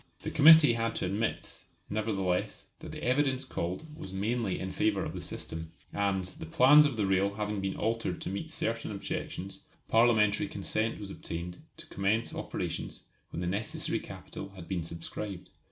The Committee had to admit, nevertheless, that the evidence called was mainly in favour of the system; and, the plans of the rail having been altered to meet certain objections, Parliamentary consent was obtained to commence operations when the necessary capital had been subscribed.